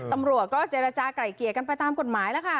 ตำรวจก็เจรจากลายเกลี่ยกันไปตามกฎหมายแล้วค่ะ